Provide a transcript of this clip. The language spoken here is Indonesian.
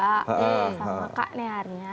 sama kak nearnya